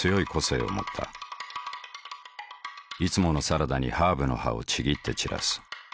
いつものサラダにハーブの葉をちぎって散らす。